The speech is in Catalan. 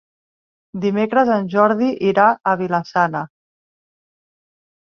Dimecres en Jordi irà a Vila-sana.